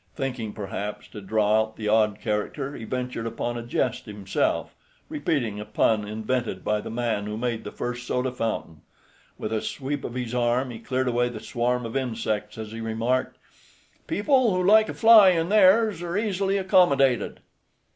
Thinking, perhaps, to draw out the odd character, he ventured upon a jest himself, repeating a pun invented by the man who made the first soda fountain. With a sweep of his arm he cleared away the swarm of insects as he remarked, "People who like a fly in theirs are easily accommodated."